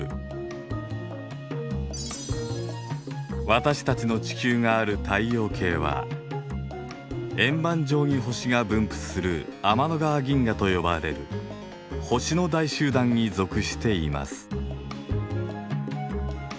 私たちの地球がある太陽系は円盤状に星が分布する天の川銀河と呼ばれる星の大集団に属しています。